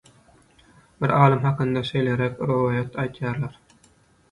Bir alym hakynda şeýleräk rowaýat aýdýarlar